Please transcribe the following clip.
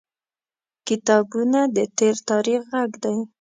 • کتابونه د تیر تاریخ غږ دی.